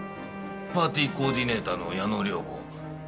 パーティーコーディネーターの矢野涼子。